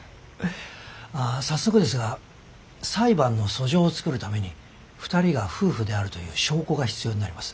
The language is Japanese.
ああ早速ですが裁判の訴状を作るために２人が夫婦であるという証拠が必要になります。